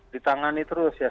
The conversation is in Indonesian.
ditangani terus ya